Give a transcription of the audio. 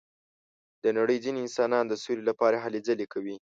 د نړۍ ځینې انسانان د سولې لپاره هلې ځلې کوي.